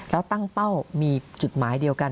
แล้วตั้งเป้ามีจุดหมายเดียวกัน